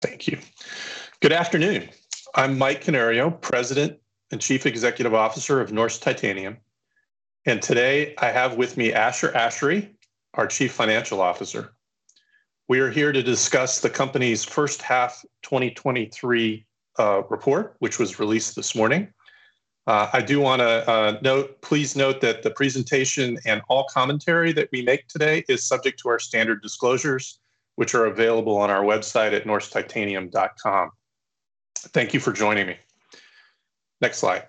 Thank you. Good afternoon. I'm Mike Canario, President and Chief Executive Officer of Norsk Titanium, and today I have with me Ashar Ashary, our Chief Financial Officer. We are here to discuss the company's first half 2023 report, which was released this morning. I do wanna note, please note that the presentation and all commentary that we make today is subject to our standard disclosures, which are available on our website at norsktitanium.com. Thank you for joining me. Next slide.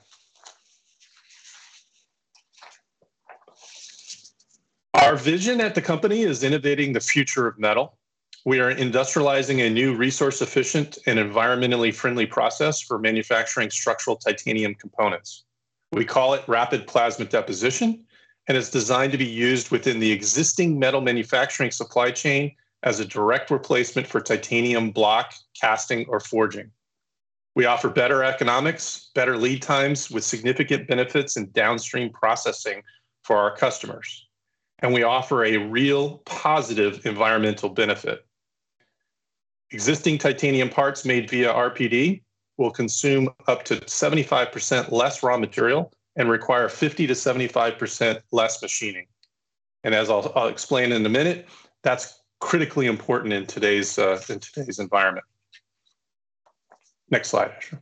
Our vision at the company is innovating the future of metal. We are industrializing a new resource-efficient and environmentally friendly process for manufacturing structural titanium components. We call it rapid plasma deposition, and it's designed to be used within the existing metal manufacturing supply chain as a direct replacement for titanium block, casting, or forging. We offer better economics, better lead times, with significant benefits and downstream processing for our customers, and we offer a real positive environmental benefit. Existing titanium parts made via RPD will consume up to 75% less raw material and require 50%-75% less machining, and as I'll explain in a minute, that's critically important in today's environment. Next slide, Ashar.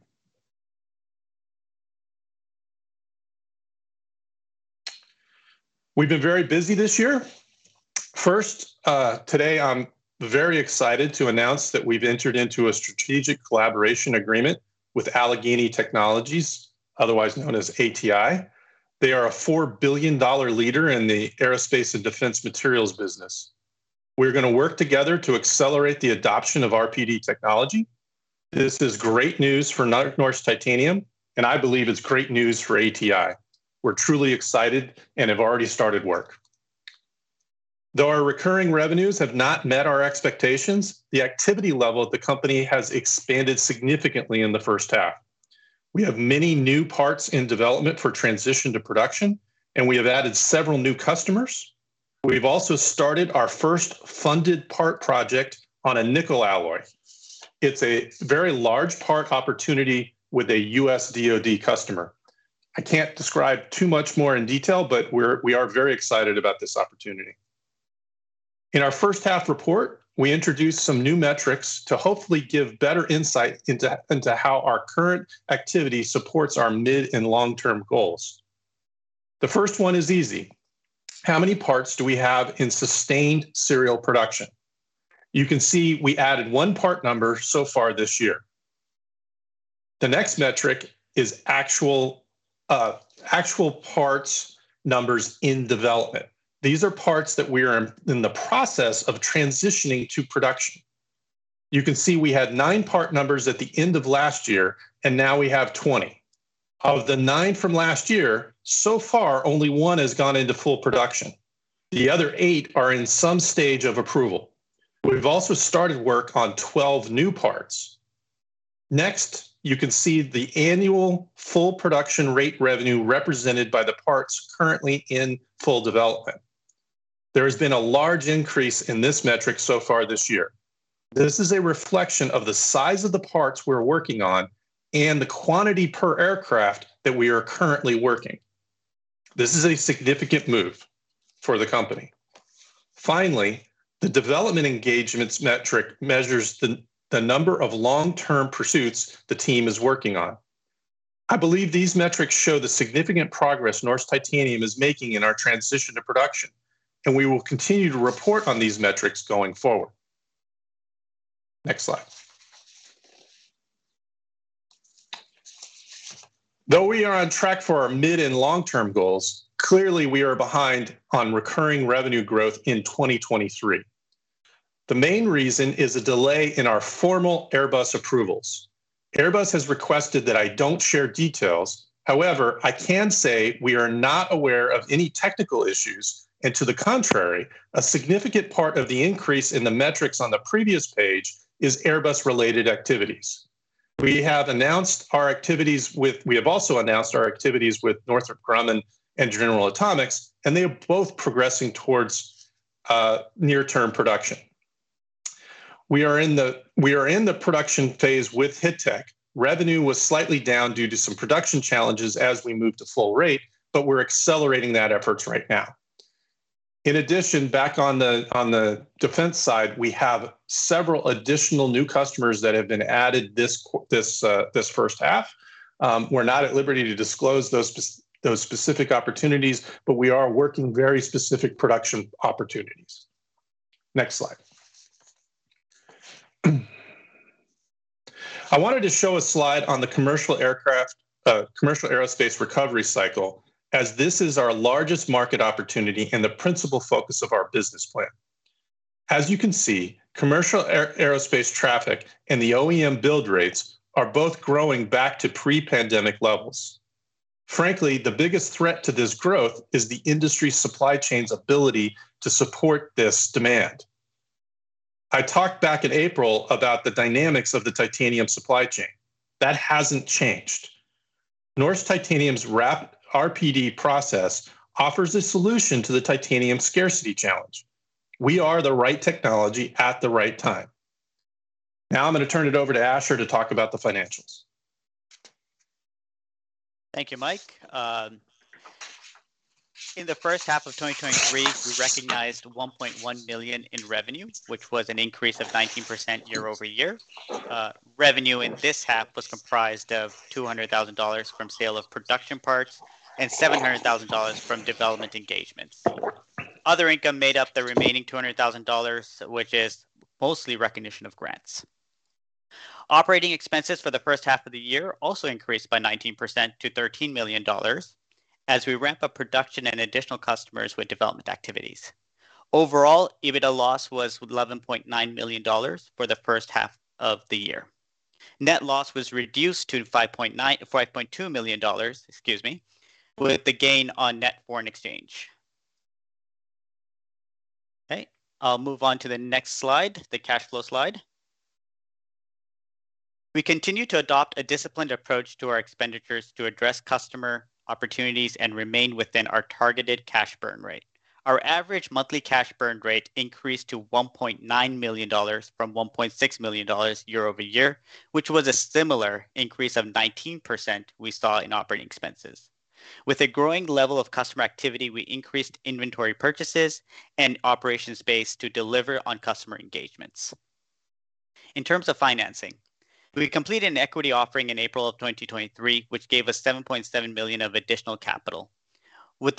We've been very busy this year. First, today, I'm very excited to announce that we've entered into a strategic collaboration agreement with Allegheny Technologies, otherwise known as ATI. They are a $4 billion leader in the aerospace and defense materials business. We're gonna work together to accelerate the adoption of RPD technology. This is great news for Norsk Titanium, and I believe it's great news for ATI. We're truly excited and have already started work. Though our recurring revenues have not met our expectations, the activity level of the company has expanded significantly in the first half. We have many new parts in development for transition to production, and we have added several new customers. We've also started our first funded part project on a nickel alloy. It's a very large part opportunity with a U.S. DoD customer. I can't describe too much more in detail, but we are very excited about this opportunity. In our first half report, we introduced some new metrics to hopefully give better insight into how our current activity supports our mid- and long-term goals. The first one is easy. How many parts do we have in sustained serial production? You can see we added one part number so far this year. The next metric is actual parts numbers in development. These are parts that we are in the process of transitioning to production. You can see we had 9 part numbers at the end of last year, and now we have 20. Of the nine from last year, so far, only one has gone into full production. The other eight are in some stage of approval. We've also started work on 12 new parts. Next, you can see the annual full production rate revenue represented by the parts currently in full development. There has been a large increase in this metric so far this year. This is a reflection of the size of the parts we're working on and the quantity per aircraft that we are currently working. This is a significant move for the company. Finally, the development engagements metric measures the number of long-term pursuits the team is working on. I believe these metrics show the significant progress Norsk Titanium is making in our transition to production, and we will continue to report on these metrics going forward. Next slide. Though we are on track for our mid- and long-term goals, clearly we are behind on recurring revenue growth in 2023. The main reason is a delay in our formal Airbus approvals. Airbus has requested that I don't share details. However, I can say we are not aware of any technical issues, and to the contrary, a significant part of the increase in the metrics on the previous page is Airbus-related activities. We have also announced our activities with Northrop Grumman and General Atomics, and they are both progressing towards near-term production. We are in the production phase with Hittech. Revenue was slightly down due to some production challenges as we moved to full rate, but we're accelerating that efforts right now. In addition, back on the, on the defense side, we have several additional new customers that have been added this this first half. We're not at liberty to disclose those those specific opportunities, but we are working very specific production opportunities. Next slide. I wanted to show a slide on the commercial aircraft, commercial aerospace recovery cycle, as this is our largest market opportunity and the principal focus of our business plan. As you can see, commercial aerospace traffic and the OEM build rates are both growing back to pre-pandemic levels. Frankly, the biggest threat to this growth is the industry supply chain's ability to support this demand. I talked back in April about the dynamics of the titanium supply chain. That hasn't changed. Norsk Titanium's RPD process offers a solution to the titanium scarcity challenge. We are the right technology at the right time. Now, I'm gonna turn it over to Ashar to talk about the financials. Thank you, Mike. In the first half of 2023, we recognized $1.1 billion in revenue, which was an increase of 19% year-over-year. Revenue in this half was comprised of $200,000 from sale of production parts and $700,000 from development engagements. Other income made up the remaining $200,000, which is mostly recognition of grants. Operating expenses for the first half of the year also increased by 19% to $13 million as we ramp up production and additional customers with development activities. Overall, EBITDA loss was $11.9 million for the first half of the year. Net loss was reduced to $5.9 million-$5.2 million, excuse me, with the gain on net foreign exchange. Okay, I'll move on to the next slide, the cash flow slide. We continue to adopt a disciplined approach to our expenditures to address customer opportunities and remain within our targeted cash burn rate. Our average monthly cash burn rate increased to $1.9 million from $1.6 million year-over-year, which was a similar increase of 19% we saw in operating expenses. With a growing level of customer activity, we increased inventory purchases and operation space to deliver on customer engagements. In terms of financing, we completed an equity offering in April of 2023, which gave us $7.7 million of additional capital. With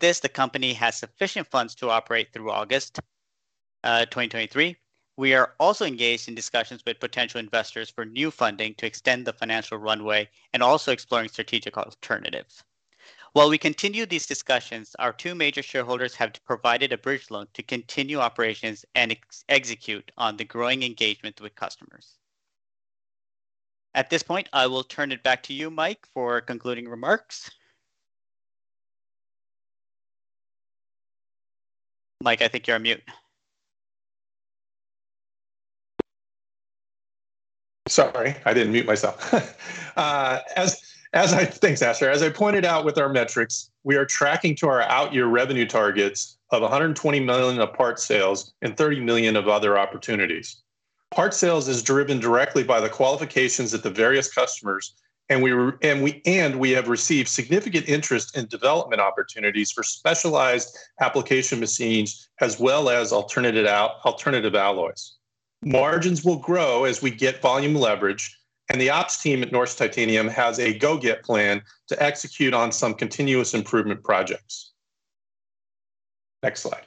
this, the company has sufficient funds to operate through August 2023. We are also engaged in discussions with potential investors for new funding to extend the financial runway and also exploring strategic alternatives. While we continue these discussions, our two major shareholders have provided a bridge loan to continue operations and execute on the growing engagement with customers. At this point, I will turn it back to you, Mike, for concluding remarks. Mike, I think you're on mute. Sorry, I didn't mute myself. Thanks, Ashar. As I pointed out with our metrics, we are tracking to our outyear revenue targets of $120 million of parts sales and $30 million of other opportunities. Parts sales is driven directly by the qualifications at the various customers, and we have received significant interest in development opportunities for specialized application machines, as well as alternative alloys. Margins will grow as we get volume leverage, and the ops team at Norsk Titanium has a go-get plan to execute on some continuous improvement projects. Next slide.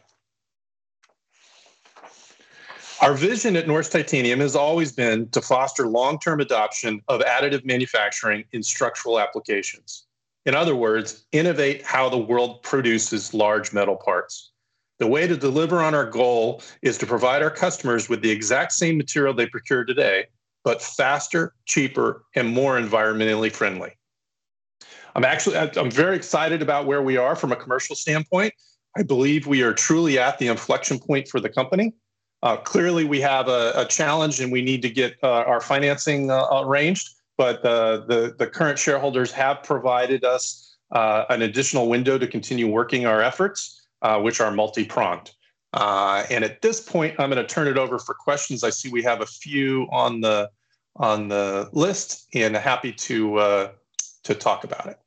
Our vision at Norsk Titanium has always been to foster long-term adoption of additive manufacturing in structural applications. In other words, innovate how the world produces large metal parts. The way to deliver on our goal is to provide our customers with the exact same material they procure today, but faster, cheaper, and more environmentally friendly. I'm actually very excited about where we are from a commercial standpoint. I believe we are truly at the inflection point for the company. Clearly, we have a challenge, and we need to get our financing arranged, but the current shareholders have provided us an additional window to continue working our efforts, which are multi-pronged. And at this point, I'm gonna turn it over for questions. I see we have a few on the list, and happy to talk about it.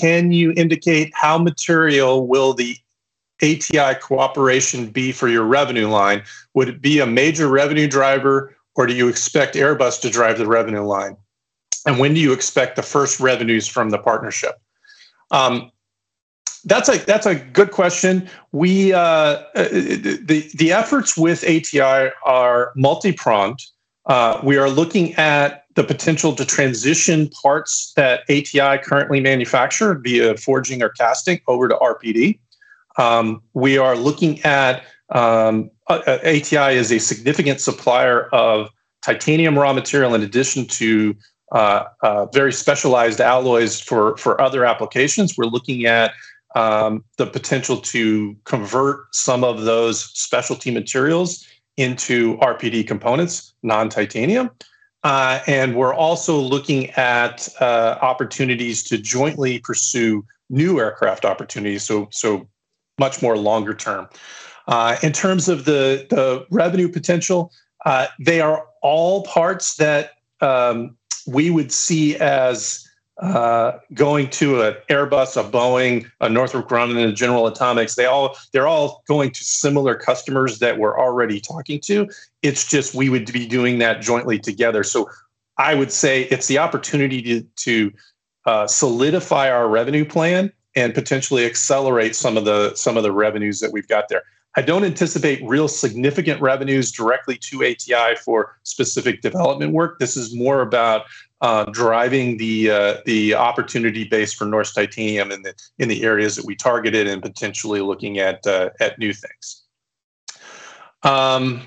Can you indicate how material will the ATI cooperation be for your revenue line? Would it be a major revenue driver, or do you expect Airbus to drive the revenue line? And when do you expect the first revenues from the partnership? That's a good question. The efforts with ATI are multi-pronged. We are looking at the potential to transition parts that ATI currently manufacture, via forging or casting, over to RPD. We are looking at ATI is a significant supplier of titanium raw material, in addition to very specialized alloys for other applications. We're looking at the potential to convert some of those specialty materials into RPD components, non-titanium. And we're also looking at opportunities to jointly pursue new aircraft opportunities, so much more longer term. In terms of the revenue potential, they are all parts that we would see as going to a Airbus, a Boeing, a Northrop Grumman, and General Atomics. They're all going to similar customers that we're already talking to. It's just we would be doing that jointly together. So I would say it's the opportunity to solidify our revenue plan and potentially accelerate some of the revenues that we've got there. I don't anticipate real significant revenues directly to ATI for specific development work. This is more about driving the opportunity base for Norsk Titanium in the areas that we targeted and potentially looking at new things. One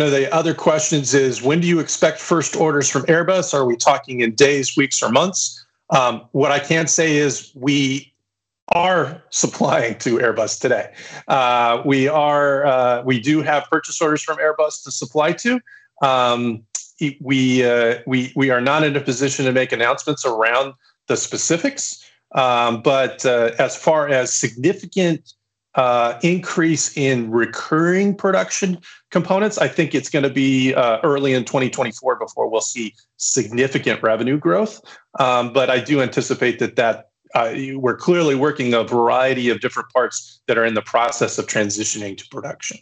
of the other questions is: When do you expect first orders from Airbus? Are we talking in days, weeks or months? What I can say is we are supplying to Airbus today. We do have purchase orders from Airbus to supply to. We are not in a position to make announcements around the specifics, but as far as significant increase in recurring production components, I think it's gonna be early in 2024 before we'll see significant revenue growth. But I do anticipate that we're clearly working a variety of different parts that are in the process of transitioning to production.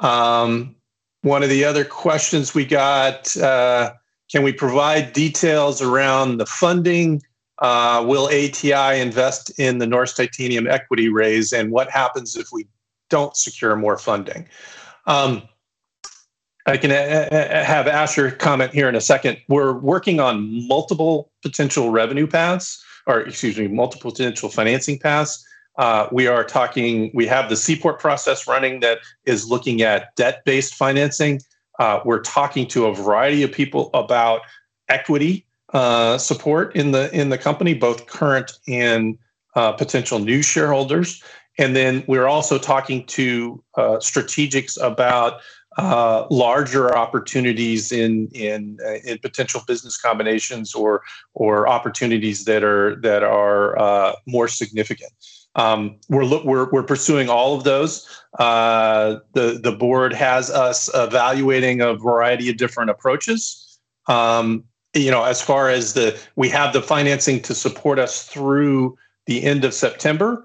One of the other questions we got: Can we provide details around the funding? Will ATI invest in the Norsk Titanium equity raise, and what happens if we don't secure more funding? I can have Ashar comment here in a second. We're working on multiple potential revenue paths, or excuse me, multiple potential financing paths. We have the C4 process running that is looking at debt-based financing. We're talking to a variety of people about equity support in the company, both current and potential new shareholders. And then we're also talking to strategics about larger opportunities in potential business combinations or opportunities that are more significant. We're pursuing all of those. The board has us evaluating a variety of different approaches. You know, as far as the. We have the financing to support us through the end of September.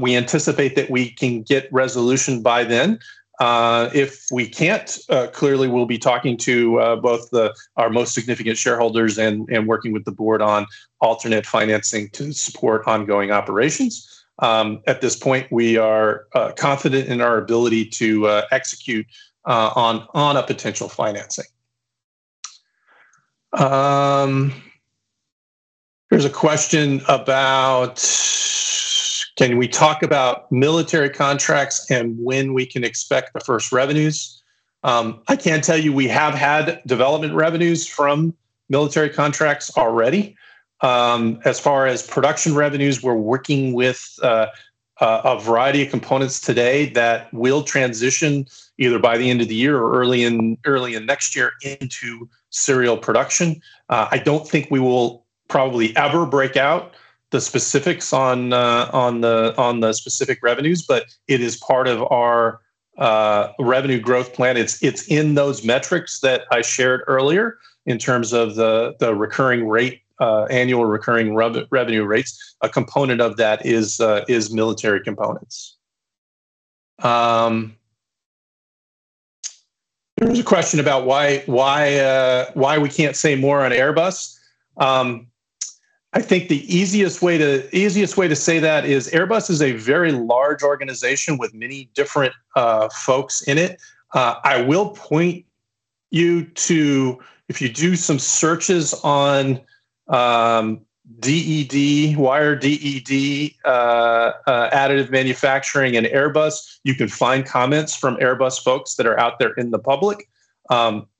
We anticipate that we can get resolution by then. If we can't, clearly we'll be talking to both our most significant shareholders and working with the board on alternate financing to support ongoing operations. At this point, we are confident in our ability to execute on a potential financing. There's a question about, "Can we talk about military contracts and when we can expect the first revenues?" I can tell you, we have had development revenues from military contracts already. As far as production revenues, we're working with a variety of components today that will transition either by the end of the year or early in next year into serial production. I don't think we will probably ever break out the specifics on the specific revenues, but it is part of our revenue growth plan. It's in those metrics that I shared earlier in terms of the recurring rate, annual recurring revenue rates. A component of that is military components. There's a question about why we can't say more on Airbus. I think the easiest way to say that is Airbus is a very large organization with many different folks in it. I will point you to, if you do some searches on DED, wire DED, additive manufacturing in Airbus, you can find comments from Airbus folks that are out there in the public.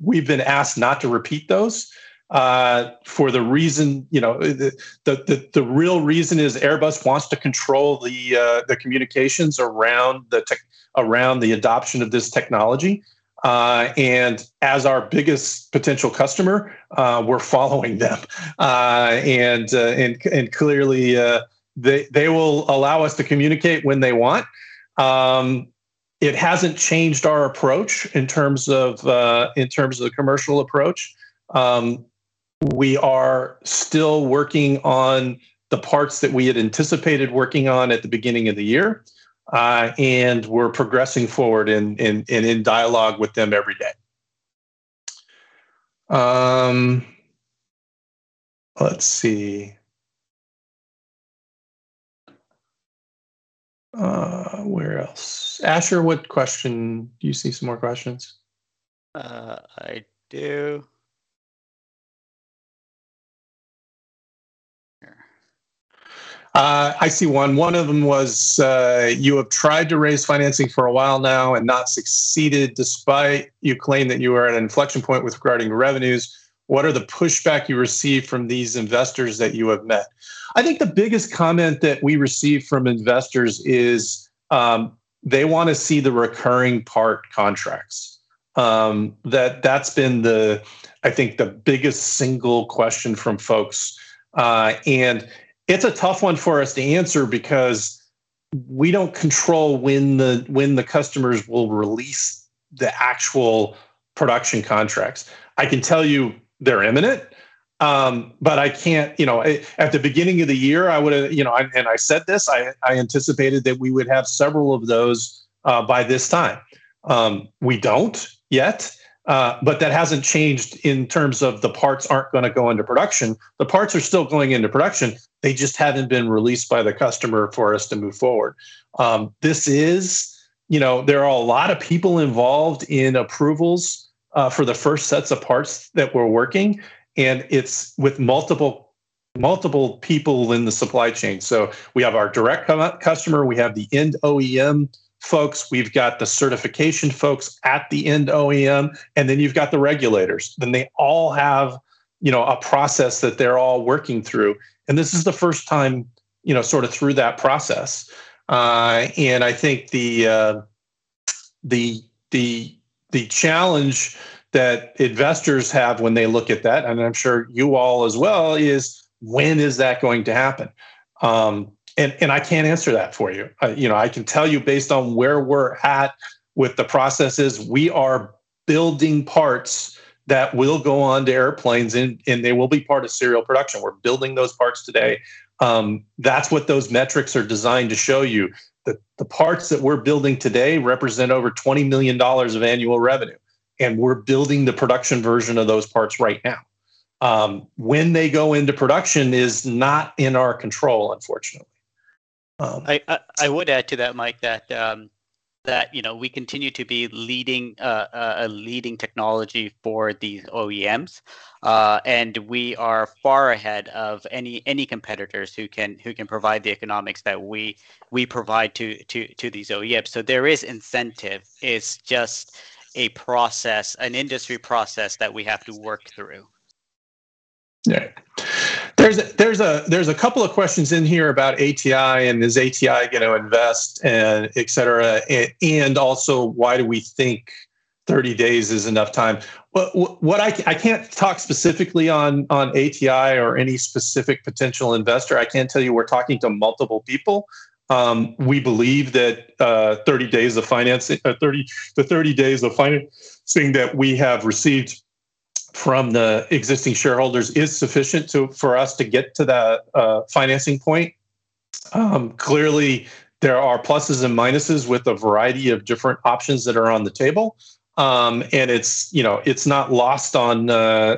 We've been asked not to repeat those for the reason, you know, the real reason is Airbus wants to control the communications around the adoption of this technology, and as our biggest potential customer, we're following them. Clearly, they will allow us to communicate when they want. It hasn't changed our approach in terms of the commercial approach. We are still working on the parts that we had anticipated working on at the beginning of the year, and we're progressing forward and in dialogue with them every day. Let's see. Where else? Ashar, what question. Do you see some more questions? I do. Here. I see one. One of them was, "You have tried to raise financing for a while now and not succeeded, despite you claim that you are at an inflection point with regarding revenues. What are the pushback you received from these investors that you have met?" I think the biggest comment that we received from investors is, they wanna see the recurring part contracts. That, that's been the, I think, the biggest single question from folks. And it's a tough one for us to answer because we don't control when the customers will release the actual production contracts. I can tell you they're imminent, but I can't. You know, at the beginning of the year, I would've, you know, and I said this, I anticipated that we would have several of those by this time. We don't, yet, but that hasn't changed in terms of the parts aren't gonna go into production. The parts are still going into production, they just haven't been released by the customer for us to move forward. This is, you know, there are a lot of people involved in approvals, for the first sets of parts that we're working, and it's with multiple people in the supply chain. So we have our direct customer, we have the end OEM folks, we've got the certification folks at the end OEM, and then you've got the regulators. Then they all have, you know, a process that they're all working through, and this is the first time, you know, sort of through that process. I think the challenge that investors have when they look at that, and I'm sure you all as well, is: When is that going to happen? I can't answer that for you. You know, I can tell you based on where we're at with the processes, we are building parts that will go on to airplanes, and they will be part of serial production. We're building those parts today. That's what those metrics are designed to show you, that the parts that we're building today represent over $20 million of annual revenue, and we're building the production version of those parts right now. When they go into production is not in our control, unfortunately. I would add to that, Mike, that you know, we continue to be a leading technology for these OEMs. And we are far ahead of any competitors who can provide the economics that we provide to these OEMs. So there is incentive. It's just a process, an industry process that we have to work through. Yeah. There's a couple of questions in here about ATI, and is ATI gonna invest, and et cetera, and also, why do we think 30 days is enough time? Well. I can't talk specifically on ATI or any specific potential investor. I can tell you we're talking to multiple people. We believe that the 30 days of financing that we have received from the existing shareholders is sufficient to, for us to get to that financing point. Clearly there are pluses and minuses with a variety of different options that are on the table. And it's, you know, it's not lost on,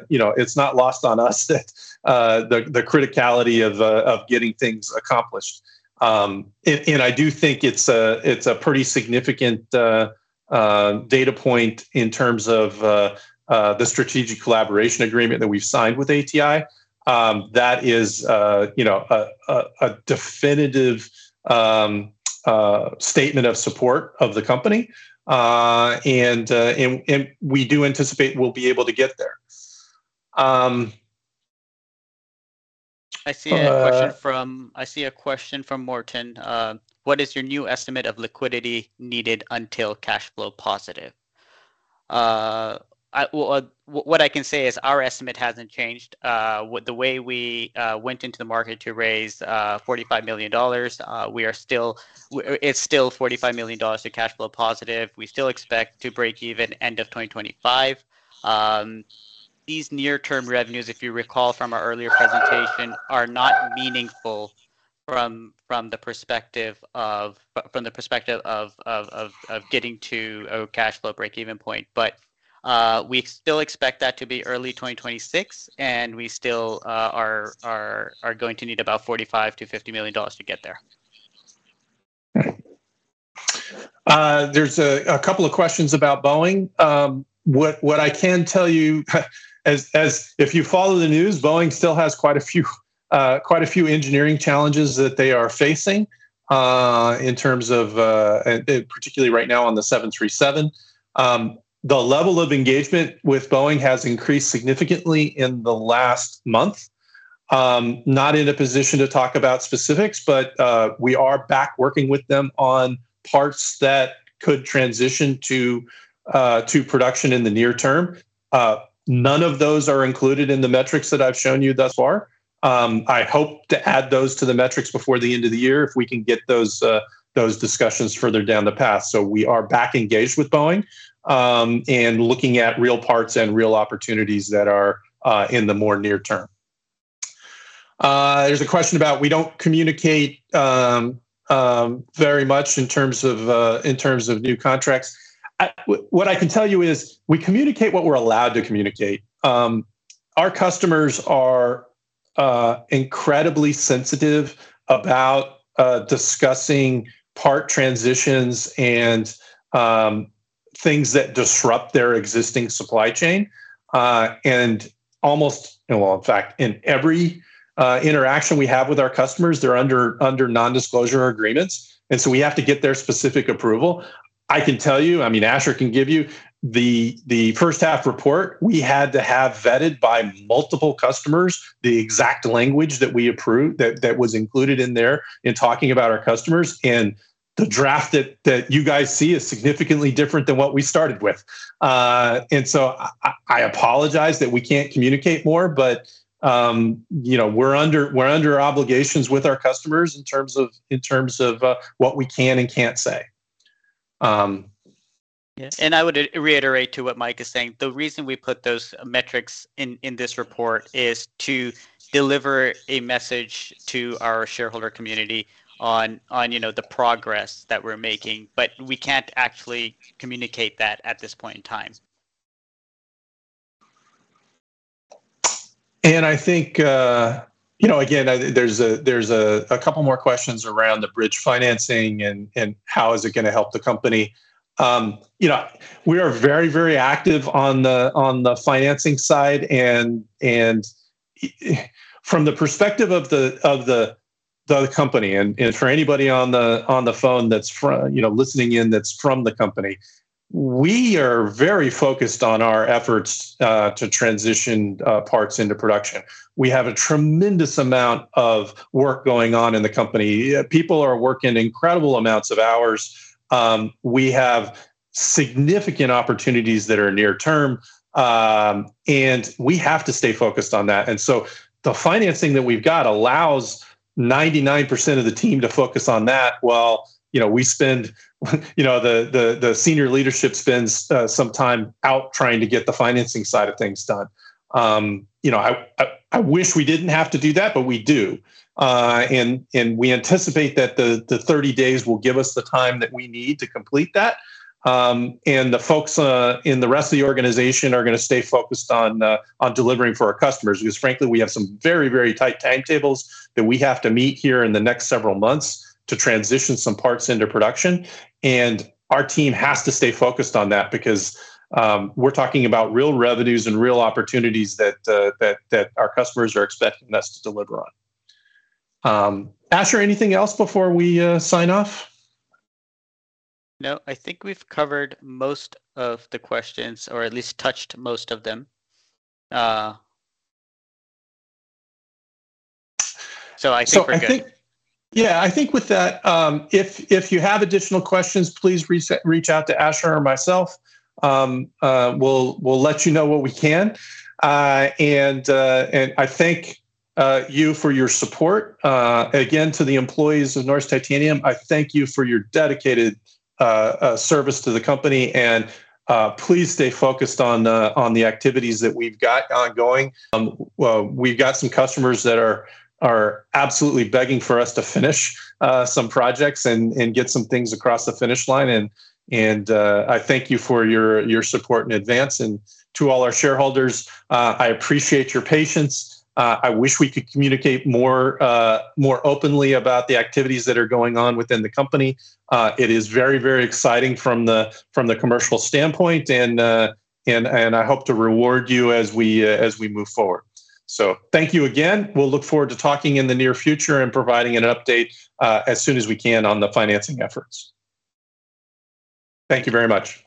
you know, it's not lost on us that the criticality of getting things accomplished. I do think it's a pretty significant data point in terms of the strategic collaboration agreement that we've signed with ATI. That is, you know, a definitive statement of support of the company. And we do anticipate we'll be able to get there. I see a question from, I see a question from Morton. "What is your new estimate of liquidity needed until cash flow positive?" Well, what I can say is our estimate hasn't changed. The way we went into the market to raise $45 million, we are still—it's still $45 million to cash flow positive. We still expect to break even end of 2025. These near-term revenues, if you recall from our earlier presentation, are not meaningful from the perspective of getting to a cash flow break-even point. But we still expect that to be early 2026, and we still are going to need about $45 million-$50 million to get there. Right. There's a couple of questions about Boeing. What I can tell you, as if you follow the news, Boeing still has quite a few engineering challenges that they are facing in terms of, and particularly right now on the 737. The level of engagement with Boeing has increased significantly in the last month. Not in a position to talk about specifics, but we are back working with them on parts that could transition to production in the near term. None of those are included in the metrics that I've shown you thus far. I hope to add those to the metrics before the end of the year if we can get those discussions further down the path. So we are back engaged with Boeing, and looking at real parts and real opportunities that are in the more near term. There's a question about we don't communicate very much in terms of new contracts. What I can tell you is we communicate what we're allowed to communicate. Our customers are incredibly sensitive about discussing part transitions and things that disrupt their existing supply chain. And almost. Well, in fact, in every interaction we have with our customers, they're under non-disclosure agreements, and so we have to get their specific approval. I can tell you, I mean, Ashar can give you the first half report. We had to have vetted by multiple customers the exact language that we approved, that was included in there in talking about our customers, and the draft that you guys see is significantly different than what we started with. And so I apologize that we can't communicate more, but you know, we're under obligations with our customers in terms of what we can and can't say. Yes, and I would reiterate what Mike is saying. The reason we put those metrics in this report is to deliver a message to our shareholder community on, you know, the progress that we're making, but we can't actually communicate that at this point in time. I think, you know, again, there's a couple more questions around the bridge financing and how is it gonna help the company. You know, we are very, very active on the financing side, and from the perspective of the company, and for anybody on the phone that's from, you know, listening in that's from the company, we are very focused on our efforts to transition parts into production. We have a tremendous amount of work going on in the company. People are working incredible amounts of hours. We have significant opportunities that are near term, and we have to stay focused on that. And so the financing that we've got allows 99% of the team to focus on that, while, you know, the senior leadership spends some time out trying to get the financing side of things done. You know, I wish we didn't have to do that, but we do. And we anticipate that the 30 days will give us the time that we need to complete that. And the folks in the rest of the organization are gonna stay focused on delivering for our customers, because frankly, we have some very, very tight timetables that we have to meet here in the next several months to transition some parts into production, and our team has to stay focused on that because we're talking about real revenues and real opportunities that our customers are expecting us to deliver on. Ashar, anything else before we sign off? No, I think we've covered most of the questions or at least touched most of them. So I think we're good. I think with that, if you have additional questions, please reach out to Ashar or myself. We'll let you know what we can, and I thank you for your support. Again, to the employees of Norsk Titanium, I thank you for your dedicated service to the company, and please stay focused on the activities that we've got ongoing. Well, we've got some customers that are absolutely begging for us to finish some projects and get some things across the finish line, and I thank you for your support in advance. And to all our shareholders, I appreciate your patience. I wish we could communicate more openly about the activities that are going on within the company. It is very, very exciting from the commercial standpoint, and I hope to reward you as we move forward. So thank you again. We'll look forward to talking in the near future and providing an update, as soon as we can on the financing efforts. Thank you very much.